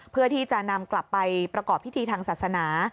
เพื่อที่จะนำกลับไปประกอบพิธีทางศาสนา